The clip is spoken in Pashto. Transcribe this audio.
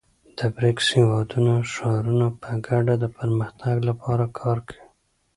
د بریکس هېوادونو ښارونه په ګډه د پرمختګ لپاره کار کوي.